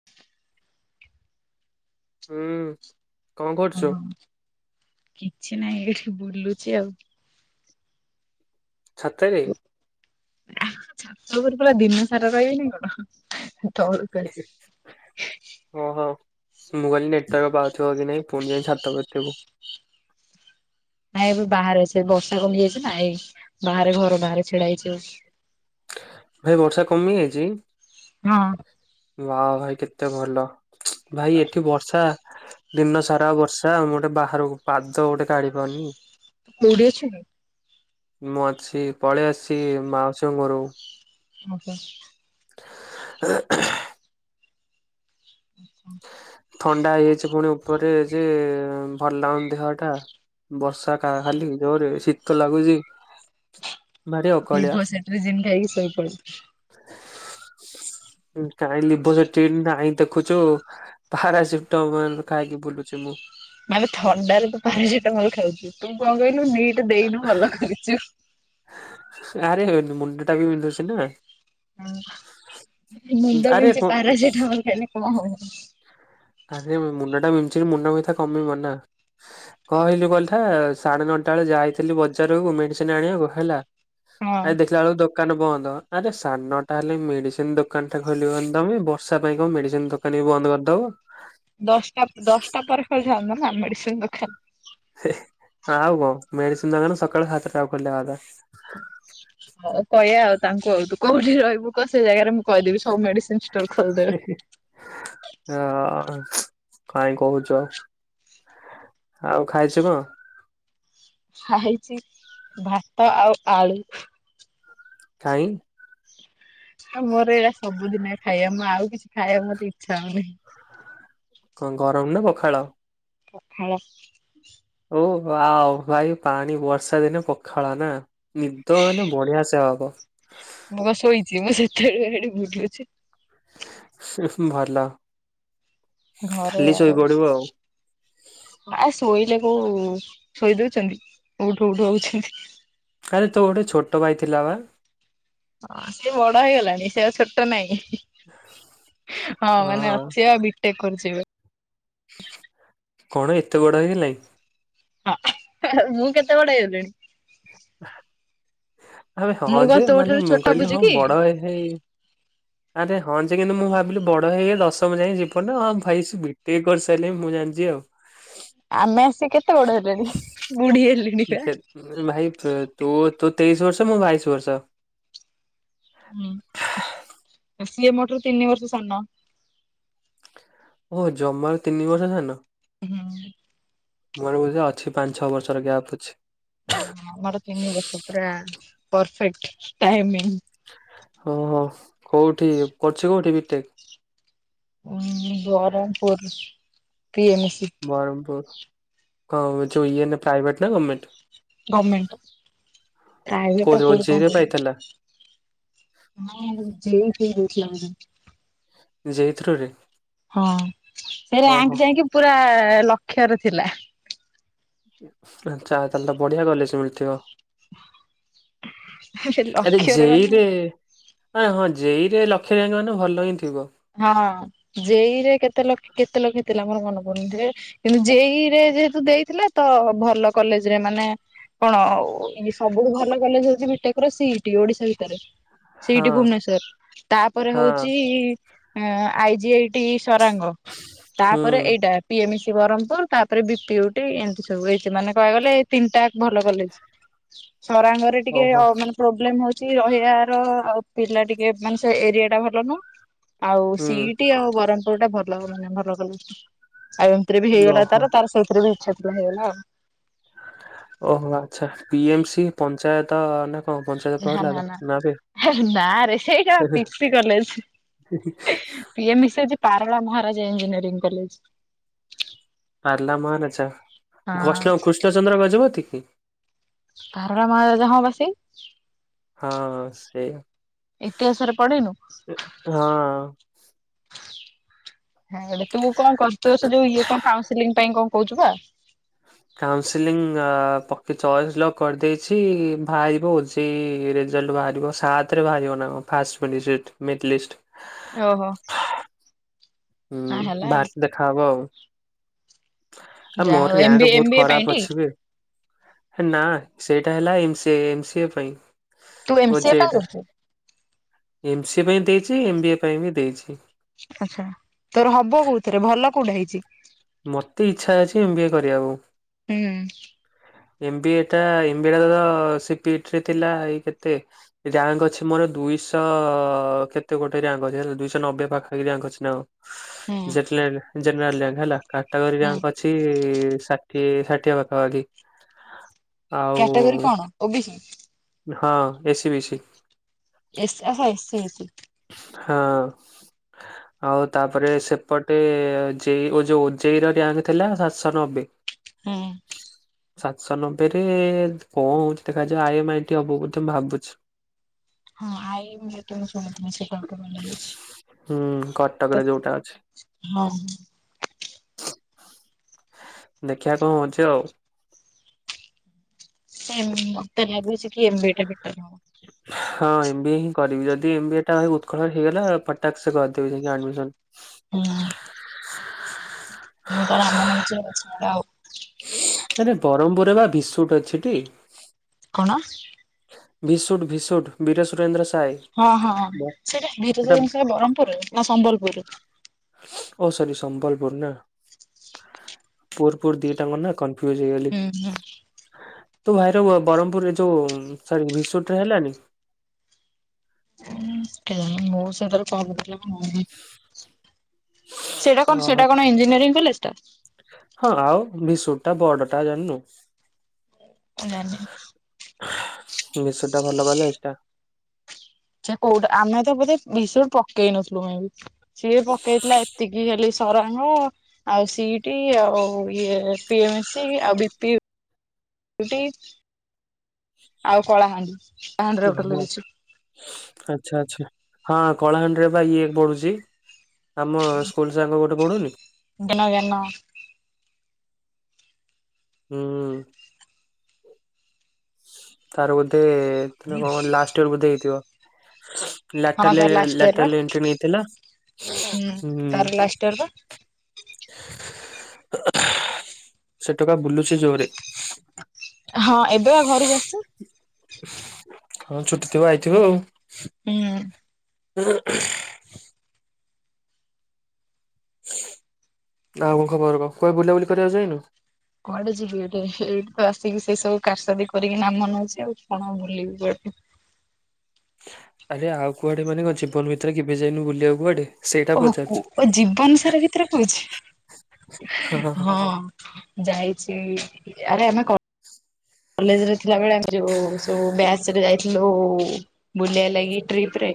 [inaudible] ହୁଁ କଣ କରୁଛୁ? ହଁ କିଛି ନାହିଁ ଏଇଠି ବୁଲୁଛି ଆଉ। ଛାତରେ? ଆ ଛାତ ଉପରେ ପୁରା ଦିନ ସାରା ରହିବିନି କଣ ତଳକୁ ଆସ ଓହୋ ମୁଁ କହିଲି ନେଟୱାର୍କ ପାଉଥିବ କି ନାଇଁ ପୁଣି ଯାଇ ଛାତ ଉପରେ ଥିବୁ। ନାଇଁ ଏବେ ବାହାରେ ଅଛି ବର୍ଷା କମିଯାଇଛି ନା ଏଇ ବାହାରେ ଘର ବାହାରେ ଛିଡା ହେଇଛୁ। ଭାଇ ବର୍ଷା କମି ଯାଇଛି? ହଁ। ୱାଅ ଭାଇ କେତେ ଭଲ ଭାଇ ଏଠି ବର୍ଷା ଦିନ ସାରା ବର୍ଷା ଆଉ ମୁଁ ଗୋଟେ ବାହାରକୁ ପାଦ ଗୋଟେ କାଢି ପାରୁନି। କଉଠି ଅଛୁ କି? ମୁଁ ଅଛି ପଳେଇ ଆସିଛି ମାଉସିଙ୍କ ଘରକୁ। ଆଚ୍ଛା। [unintelligible] [inaudible] ଥଣ୍ଡା ହେଇଯାଇଛି ପୁଣି ଉପରେ ଯେ ଭଲ ଲାଗୁନି ଦେହ ଟା। ବର୍ଷା କା ଖାଲି ଜୋରରେ ଶୀତ ଲାଗୁଛି। ଭାରି ଅକଳିଆ ଲିଭୋସେଟ୍ରିଜିନ ଖାଇକି ଶୋଇପଡ। କାଇଁ ଲିଭୋସେଟ୍ରିଜିନ ନାହିଁ ଦେଖୁଛୁ। ପାରାସିଟାମଲ ଖାଇକି ବୁଲୁଛି ମୁଁ। ମାନେ ଥଣ୍ଡାରେ ତୁ ପାରିସିଟାମଲ ଖାଉଛୁ ତୁ କଣ କହିଲୁ ନିଇଟ ଦେଇନୁ ଭଲ କରିଛୁ। ଆରେ ହେଇନି ମୁଣ୍ଡ ଟା ବି ବିନ୍ଧୁଛି ନା। ଅ ମୁଣ୍ଡ ଆରେ ବିନ୍ଧୁଚି ହଁ ପାରାସିଟାମଲ ଖାଇଲେ କଣ ହବ? ଆରେ ମୋ ମୁଣ୍ଡ ଟା ବିନ୍ଧୁଚିରେ ମୁଣ୍ଡ ବ୍ୟଥା କମିବ ନା? କଣ ହେଲା କଥା ସାଢେ ନଅଟା ବେଳେ ଯାଇଥିଲି ବଜାରକୁ ମେଡିସିନ ଆଣିବାକୁ ହେଲା। ହଁ ଭାଇ ଦେଖିଲା ବେଳକୁ ଦୋକ କାନ ବନ୍ଦ ଆରେ ସାଢେ ନଅଟା ହେଲେ ବି ମେଡିସିନ ଦୋକାନ ଟା ଖୋଲିବନି ତମେ ବର୍ଷା ପାଇଁ କଣ ମେଡିସିନ ଦୋକ କାନ ବି ବନ୍ଦ କରିଦବ। ଦଶଟା ପ ଦଶଟା ପରେ ଖୋଲିଥାନ୍ତା ନା ମେଡିସିନ ଦୋକାନ। ଆଉ କଣ ମେଡିସିନ ଦୋକାନ ସକାଳ ସାତଟାକୁ ଖୋଲିବା କଥା। ହୋଉ କହିବା ଆଉ ତାଙ୍କୁ ଆଉ ତୁ କୋଉଠି ରହିବୁ କହ ସେ ଜାଗାରେ ମୁଁ କହିଦେବି ସବୁ ମେଡିସିନ ଷ୍ଟୋର ଖୋଲିଦେବେ। ହ କାଇଁ କହୁଛ। ଆଉ ଖାଇଛୁ କଣ? ଖାଇଛି ଭାତ ଆଉ ଆଳୁ। କାଇଁ? ଅ ମୋର ଏଇଟା ସବୁଦିନିଆ ଖାଇବା ମୁଁ ଆଉ କିଛି ଖାଇବାକୁ ମୋତେ ଇଚ୍ଛା ହଉନାହିଁ। କଣ ଗରମ ନା ପଖାଳ? ପଖାଳ। ଓ ୱାଓ ଭାଇ ପାଣି ବର୍ଷା ଦିନେ ପଖାଳ ନା। ନିଦ ମାନେ ବଢିଆ ସେ ହବ। ମୁଁ କଣ ଶୋଇଚି ମୁଁ ସେତେବେଳୁ ବା ଏଠି ବୁଲୁଛି। ଭଲ। ଘରେ ଖାଲି ଆଉ ଶୋଇପଡିବୁ ଅଛି। ଆ ଶୋଇଲେ କୋଉ ଶୋଇ ଦଉଚନ୍ତି ଉଠ ଉଠ ହଉଚନ୍ତି। ଆରେ ତୋ ଗୋଟେ ଛୋଟ ଭାଇ ଥିଲା ବା? ହଁ ସିଏ ବଡ ହେଇଗଲାଣି ସେ ଆଉ ଛୋଟ ନାଇଁ। ହଁ ମାନେ ଅଛି ଆଉ ବିଟେକ କରୁଛି ଏବେ। କଣ ଏତେ ବଡ ହେଇଗଲାଣି? ହଁ ମୁଁ କେତେ ବଡ ହେଇଗଲିଣି। ଆବେ ହଁ ମୁଁ କଣ ଯେ ତୋ ମାନେ ଠାରୁ ମୁ ଛୋଟ କିହିଲି ବୁଝୁ ହଁ କି? ବଡ ହେଇଥାଇ ଆରେ ହଁ ଯେ କିନ୍ତୁ ମୁଁ ଭାବିଲି ବଡ ହେଇହେଇ ଦଶମ ଯାଏ ଯିବ [unintelligible] ଭାଇ ସେ ବି ଟେକେ କରିସାରିଲେନି ମୁଁ ଜାଣିଛି ଆଉ। ଆମେ ଆସିିକି କେତେ ବଡ ହେଲେଣି ବୁଢୀ ହେଲିଣି। ମୁଁ ପା। କେ ଭାଇ ତୁ ତୁ ତୁ ତେଇଶି ବର୍ଷ ମୁଁ ବାଇଶି ବର୍ଷ। ହୁଁ ସିଏ ମୋ ଠାରୁ ତିନି ବର୍ଷ ସାନ। ଓଃ ଜମାରୁ ତିନି ବର୍ଷ ସାନ। ହୁଁ। ମୁଁ ଭାବୁଥିଲି ଅଛି ପାଞ୍ଚ ଛଅ ବର୍ଷର ଗ୍ୟାପ୍ ଅଛି। ଆମର ତିନି ବର୍ଷ ପୁରା ପରଫେକ୍ଟ ଟାଇମିଙ୍ଗ। ଓହୋ କୋଉଠି କଚି କୋଉଠି ବିଟେକ୍? ଉଁ Berhampur P M C. Berhampur କଉ ଯୋଇ ଇଏ ନା ପ୍ରାଇଭେଟ ନା ଗମେଣ୍ଟ? ଗମେଣ୍ଟ ପ୍ରାଇଭେଟରେ କୋଉଥିରେ କୋଉଠି କଣ ଜେଇରେ ପାଇଥିଲା କରିବ? ହଁ ଜେଇ ଫେଇ ଦେଇଥିଲା ମଝିରେ। ଯେଇ ଥ୍ରୋ ରେ। ହଁ ସେ ରିୟାଙ୍କ ଯାଇକି ପୁରା ଲକ୍ଷରେ ଥିଲା। ଆଚ୍ଛା ତାହେଲେ ତ ବଢ଼ିଆ କଲେଜ ମିଳିଥିବ। ସେ ଆରେ ଯେ ଲକ୍ଷ୍ୟରେ ଇ ମାନେ ରେ ଆଁ ହଁ ଜେଇରେ ଲକ୍ଷେ ରିୟାଙ୍କ ମାନେ ଭଲ ହିଁ ଥିବ। ହଁ ଜେଇରେ କେତେ ଲ କେତେ ଲକ୍ଷ ଥିଲା ମୋର ମନେ ପଡୁନି ରେ କିନ୍ତୁ ଯେଇ ରେ ଯେହେତୁ ଦେଇଥିଲେ ତ ଭଲ କଲେଜ ରେ ମାନେ କଣ ଇଏ ସବୁଠୁ ଭଲ କଲେଜ ହଉଚି ବିଟେକର ସି ଇ ଟି ଓଡିଶା ଭିତରେ। ହଁ ସେଇଟି ଭୁବନେଶ୍ଵର ତାପରେ ହଁ ହଉଚି ଉଁ I G I T Sarang ହୁଁ। ତାପରେ ଏଇଟା। ପି ଏମ ଶି ବରମପୁର ତାପରେ ବି ପି ଉଟି ଏମିତି ସବୁ ହେଇଚି ମାନେ କଇବାକୁ ଗଲେ ଏଇ ତିନିଟା ଭଲ କଲେଜ। ସରାଙ୍ଗ ଥିରେ ଟିକେ ଓହୋ ଅ ମାନେ ପ୍ରୋବ୍ଲେମ ହଉଚି ରହିବାର ଆଉ ପିଲା ଟିକେ ମାନେ ସେ ଏରିଆ ଟା ଭଲ ନୁହଁ। ଆଉ ହୁଁ ସି ଇ ଟି ଆଉ ବ୍ରରହ୍ମପୁର ଟା ଭଲ ମାନେ ଭଲ କଲେଜ ଟା ଆଉ ସେତିରେ ବି ହେଇଗଲା ଓହୋ। ତାର ତାର ସେଇଥିରେ ବି ଇଚ୍ଛା ଥିଲା ହେଇଗଲା ଆଉ। ଓହୋ ଆଚ୍ଛା ପି ଏମ ସି ପଞ୍ଚାୟତ ନା ହଁ ପଞ୍ଚାୟତ କହିଲାତ ନା ବେ ନାରେ ସେଇଟା ଉଁ ହୁଁ। ପିସି ହି ହି। ପି ଏମ ଇସ୍ ହଉଚି ପାରଳା ମହାରାଜା ଇଞ୍ଜିନିୟରିଂ କଲେଜ। ପାରଲା ମହାରାଜା ହଁ [unintelligible] କୃଷ୍ଣଚନ୍ଦ୍ର ଗଜପତି କି? ପାରଳା ମହାରାଜା ହଁ ପା ସେଇ। ହଁ ସେଇଆ। ଇତିହାସରେ ପଢ଼ିନୁ? ହଁ [unintelligible] ତୁ କଣ କରୁ ତୋ ସେ ଯୋଉ ଇଏ କଣ କାଉଁସିଲିଂ ପାଇଁ କଣ କହୁଚୁ ପା। କାଉଁସିଲିଙ୍ଗ ଆ ପକେଇ ଚଏସ ଲକ କରିଦେଇଛି ବାହାରିବ ଓ ଏଇ ରେଜଲ୍ଟ ବାହାରିବ ସାତରେ ବାହାରିବ ନା କ ଫାଷ୍ଟ [unintelligible] ମେରିଟ୍ ଲିଷ୍ଟ। ଓହୋ। ହଁ ହେଲା ହୁଁ ଆଉ ବାରେ ଦେଖା ହବ ଆଉ। ଆ ଯା ମୋର ହଉ ଏମ ବି ରିୟାଙ୍କ ଏମ ବହୁତ୍ ବି ଏ ପାଇଁ ଖରାପ ଟି ଅଛି ବେ। ହେ ନା ସେଇଟା ହେଲା M C A M C A ପାଇଁ। ତୁ ଏମ ସି ଏ ପାଇଁ ଓଜେଇଟା କରୁଛୁ। ଏମ୍ ସି ଏ ପାଇଁ ଦେଇଚି ଏମ୍ ବି ଏ ପାଇଁ ବି ଦେଇଛି। ଆଛା ତୋର ହବ କୋଉଥିରେ ଭଲ କୋଉଟା ହେଇଚି? ମତେ ଇଚ୍ଛା ଅଛି ଏମ୍ ବି ଏ କରିବାକୁ। ହୁଁ। ଏମ୍ ବି ଏ ଟା ଏମ୍ ବି ଏ ଟା ତ ସି ପି ଇ ଟି ରେ ଥିଲା ଏଇ କେତେ ରିୟାଙ୍କ ଅଛି ମୋର ଦୁଇଶଅ କେତେ ଗୋଟେ ରିୟାଙ୍କ ଅଛି ହେ ଦୁଇଶହ ନବେ ପାଖାପାଖି ରିୟାଙ୍କ ଅଛି ନା ଆଉ। ହୁଁ [unintelligible] ଜେନେରାଲ ରିୟାଙ୍କ ହେଲା କାଟାଗରି ହୁଁ ରିୟାଙ୍କ ଅ ଛି ଷାଠିଏ ଷାଠିଏ ପାଖାପାଖି। ଆଉ କ୍ୟାଟାଗୋରୀ କଣ ଓ ବି ସି? ହଁ ଏସି ବି ସି। ଏସ୍ ଏହେ ଏ ସି ବି ସି ହଁ। ଆଉ ତାପରେ ସେପଟେ ଜେ ଇ ଯୋଉ ଓ ଜେ ଇ ର ରିଆଙ୍କ ଥିଲା ସାତଶହ ନବେ। ହୁଁ। ସାତଶ ନବେ ରେ କଂ ହଉଛି ଦେଖାଯାଉ ଆଇ ଏମ ଆଇ ଟି ହବ ବଧେ ମୁ ଭାବୁଚି। [unintelligible] ହୁଁ କଟକରେ ଯୋଉଟା ଅଛି ହଁ। ଦେଖିଆ କଂ ହୋଉଚି ଆଉ। ହୁଁ ମତେ ଲାଗୁଚି କିି ଏମ୍ ବି ଏ ଟା ବେଟର ହବ। ହଁ ଏମ ବି ଏ ହିଁ କରିବି ଯଦି ଏମ ବି ଟା ଉତ୍କଳ ହେଇଗଲା ପଟାକ୍ ସେ କରିଦେବି ଯାଇକି ଆଡ୍ ମିସନ। ହଁ। ମୁଁ ତ ରାମ [unintelligible] ଆଉ। ଆରେ ବରହ୍ମପୁରରେ ବା ଭିସୁଟ୍ ଅଛିଟି। କଣ? ଭିସୁଟ୍ ଭିସୁଟ୍ ବୀରେ ସୁରେନ୍ଦ୍ର ସ ହଁ ହଁ ସେଇଟା [unintelligible] ବରହ୍ମପୁରରେ ନା ସମ୍ବଲପୁରରେ। ଓ ସରି ସମ୍ବଲପୁର ନା ପୁର ପୂର୍ ଦିଟାଙ୍କ ନା କ କନ୍ଫିଉଜ ହେଇଗଲି ହୁଁ ହୁଁ ତୋ ଭାଇର ବରହ୍ମପୁରରେ ଯୋଉ ସରି ଭିଶୁଟ୍ ରେ ହେଲାନି। କେୟାଣି ମୋ ସେଣ୍ଟର କ ପଡିଥିଲା। ଓ ସେଇଟା କଣ ଓହୋ। ସେଇଟା କଣ ଇଞ୍ଜିନିୟରିଂ କଲେଜ ଟା। ହଁ ଆଉ ଭିସୁଟ ଟା ବଡ଼ ଟା ଜାଣିନୁ। ମୁଁ ଜାଣିନେଇ। ଭିଶୁଟ ଟା ଭଲ କଲେଜ ଟା। ସେ କୋଉଠା ଆମେ ତ ବୋଧେ ଭୀଷୁ ପକେଇ ନଥିଲୁ କାଇଁି ସିଏ ପକେଇଥିଲା ଏ ଏତିକି ହେଲି ସରାଙ୍ଗ ଆଉ ସି ଇ ଟି ଆଉ ଇଏ ପି ଏମ ସି ଆଉ ବି ପି ପି ଟି। ଆଉ କଳାହାଣ୍ଡି। କଳାହାଣ୍ଡିରେ ଗୋଟେ ଓହୋ ଲଗେଇଛି ଆଚ୍ଛା ଆଛା ହଁ କଳାହାଣ୍ଡିରେ ବା ଇଏ ପଢୁଛି। ଆମ ସ୍କୁଲ ସାଙ୍ଗ ଗୋଟେ ପଢୁନି। ଜ୍ଞାନ ଜ୍ଞାନ। ହୁଁ। ତାର ବୋଧେ ତୀ ନା କଣ ଲାଷ୍ଟ ଇୟର ବୋଧେ ହେଇଥିବ। ହଁ ଲେଟର ଲେ ତାର ଲାଷ୍ଟ ଇୟର ଲେଟର ବା ଲେ ଏଣ୍ଟ୍ରି ନେଇଥିଲା। ହୁଁ ତାର ଲାଷ୍ଟ ଇୟର ବା। ସେ ଟୋକା ବୁଲୁଚି ଜୋରେ। ହଁ ଏବେ ବା ଘରକୁ ଆସିଚି। ହଁ ଛୁଟି ଥିବ ଆଇଥିବ ଆଉ। ହୁଁ ଆଉ କଣ ଖବର କହ କୁଆଡେ ବୁଲାବୁଲି କରିବାକୁ ଯାଇଁନୁ? କୁଆଡେ ଯିବି ଏଇଠେ ଏଇଠି ତ ଆସିକି ସେଇ ସବୁ କାର ସାଦି କରିକି ନାମ ନଉଛି ଆଉ କଣ ବୁଲିବି କୁଆଡେ। ଆରେ ଆଉ କୁଆଡେ ମାନେ କ ଜୀବନ ଭିତରେ କେବେ ଯାଇନୁ ବୁଲିବାକୁ କୁଆଡେ? ସେଇଟା ଓହଃ କୋ ପଚାରୁଛୁ କ ଜୀବନ ସାରା ଭିତରେ କହୁଛୁ ହଁ। ଯାଇଚି ଯାରେ ଆମେ କ କଲେଜ ରେ ଥିଲାବେଳେ ଆମେ ଯୋଉ ସବୁ ବ୍ୟାଚ ରେ ଯାଇଥିଲୁ ବୁଲିବା ଲାଗି ଟ୍ରିପରେ।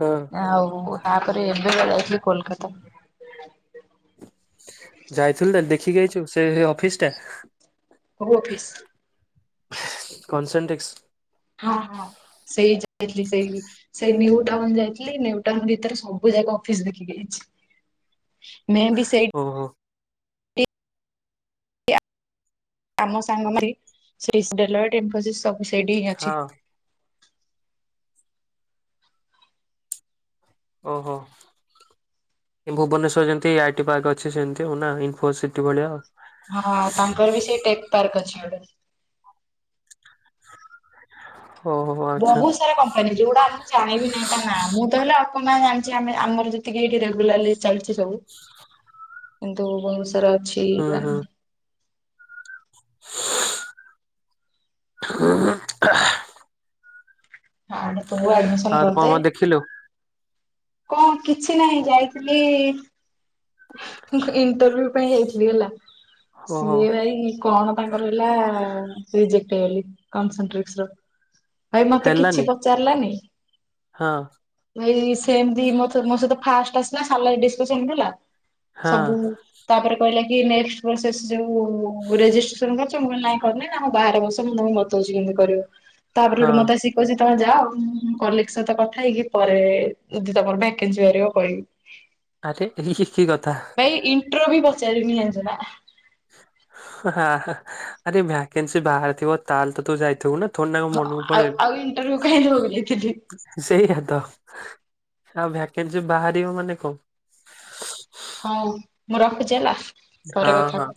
ହଁ ଆଉ ତାପରେ ଏବେ ଯାଇଥିଲି କୋଲକାତା। ଯାଇଥିଲୁ ତେ ଦେଖିକି ଯାଇଛୁ ସେ ସେ ଅଫିସ ଟା? କଉ ଅଫିସ? କନସେନଟିକ୍ସ ହଁ ହଁ ସେଇ ଯାଇଥିଲି ସେଇ ସେଇ ନିଉ ଟାଉନ ଯାଇଥିଲି ନିଉ ଟାଉନ ଭିତରେ ସବୁ ଯାକ ଅଫିସ ଦେଖିକି ଆଇଛି। ମେ ବି ସେଇଠ ଓହୋ ଆମ ସାଙ୍ଗ ମାରି ସେ ଡେଲାଏଡ଼ ଇନ୍ଫୋସିସ ସବୁ ସେଇଠି ହିଁ ଅଛି। ହଁ। ଓହୋ ଭୁବନେଶ୍ୱର ଯେମିତି ଆଇଟି ପାର୍କ ଅଛି ସେମିତି ଆଉ ନା ଇନଫୋସିଟି ଭଳିଆ ଆଉ। ହଁ ଅଁ ତାଙ୍କର ବି ସେଇ ଟେକ୍ ପାର୍କ ଅଛି ଗୋଟେ। ଓହୋ ଆଚ୍ଛା ବହୁତ ସାରା କମ୍ପା କମ୍ପାନୀ ଯଉଗୁଡା ଆମେ ଜାଣିଵି ନାହିଁ ତା ନାଁ ମୁଁ ତ ହେଲେ ଅଳ୍ପ ନାଁ ଜାଣିଛି ଆ ଆମର ଯେତିକି ଏଇଠି ରେଗୁଲାରଲି ଚାଲିଚି ସବୁ। [unintelligible] କିନ୍ତୁ ବହୁତ ସାରା ଅଛି ହୁଁ ହୁଁ [inaudible] ଆଡେ ତୁ ଆଡମିସନ କରିଦେ। ଖିଲୋ କଣ କିଛି ନାହିଁ ଯାଇଥିଲି ଇ ମୁଁ ଇଣ୍ଟରଭି୍ୟୁ ପାଇଁ ଯାଇଥିଲି ହେଲା। ଓହୋ। ସିଏ ଭାଇ କଣ ତାଙ୍କର ହେଲା ଆ ରିଜେକ୍ଟ ହେଇଗଲି କନସିଟ୍ରିକ୍ସ ର। ଭାଇ ମତେ ହେଲାନି କିଛି ପଚା ଚାଲିଲା ନି - ହଁ ଅଁ ଏଇ ସେମତି ମୋ ସହିତ ଫାଷ୍ଟ ଆସିଲା ସାଲାରୀ ଡିସକସନ ହେଲା। ହଁ ସବୁ ତାପରେ କହିଲା କି ନେକ୍ସଟ ଭେରସେସ ଯୋଉ ରେଜିଷ୍ଟ୍ରେସନ କରିଚ ମୁଁ କହିଲି ନାଇଁ କରିନି ନା ହଉ ବାହାର ବସ ମୁଁ ତମକୁ ବତଉଚି କେନ୍ଦି କରିବୁ ତାପରେ ହେଟୁ ହଁ। ମତେ ଆସିକି କହୁଛି ତମେ ଯାଅ କଲିକ ସହିତ କଥା ହେଇକି ପରେ ଦଦି ତମର ଭକେନ୍ସି ବାହାରିବ କହିବି। ଆରେ ହି ଇଏ କି କଥା? ଭାଇ ଇଣ୍ଟ୍ରୋ ବି ପଚାରିନି ଜାଣିଚ ନା? ହା ହା ଆରେ ଭ୍ୟାକେନ୍ସି ବାହାରିଥିବ ତାହେଲେ ତ ତୁ ଯାଇଥିବୁ ନା? ଥୋଡି ନା କଣ ହଁ ମନକୁ ଆଉ ଆଉ ଇଣ୍ଟରଭିୟୁ କାଇଁ ଦେବାକୁ ଯାଇଥିଲି। ସେୟା ତ ଆଉ ଭ୍ୟାକେନସି ବାହାରିବ ମାନେ କଣ? ହଉ ମୁଁ ରଖୁଛି ହେଲା? ପରେ ହଁ କଥା ହବା। ହଁ